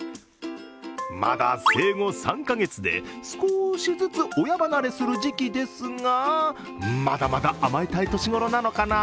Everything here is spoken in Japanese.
まだ生後３カ月で少しずつ親離れする時期ですがまだまだ甘えたい年頃なのかな。